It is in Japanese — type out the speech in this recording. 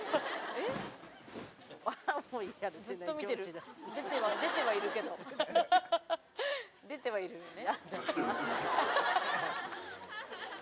ずっと見てる出てはいるけど出てはいるよね。